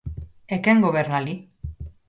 ¿E quen goberna alí?